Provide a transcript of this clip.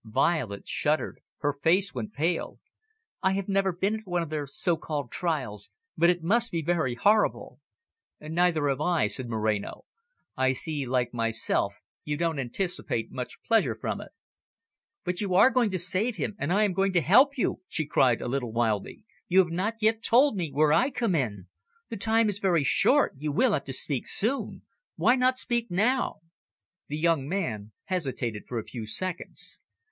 Violet shuddered; her face went pale. "I have never been at one of their so called trials, but it must be very horrible." "Neither have I," said Moreno. "I see, like myself, you don't anticipate much pleasure from it." "But you are going to save him, and I am going to help you," she cried a little wildly. "You have not yet told me where I come in. The time is very short; you will have to speak soon. Why not speak now?" The young man hesitated for a few seconds.